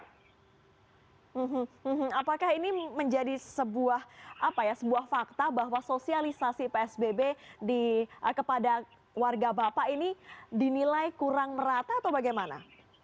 hmm apakah ini menjadi sebuah fakta bahwa sosialisasi psbb kepada warga bapak ini dinilai kurang merata atau bagaimana